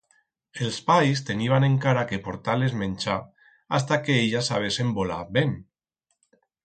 Els pais teniban encara que portar-les menchar, hasta que ellas sabesen volar ben.